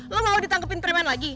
lo mau ditangkepin preman lagi